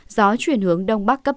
gió chuyển hướng đông bắc cấp ba